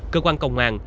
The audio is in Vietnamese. cơ quan công an